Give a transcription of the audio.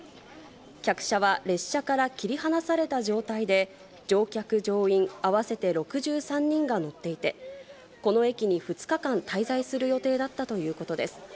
客車は列車から切り離された状態で、乗客・乗員合わせて６３人が乗っていて、この駅に２日間滞在する予定だったということです。